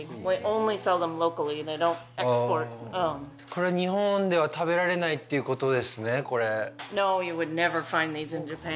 これは、日本では食べられないということですね、これ。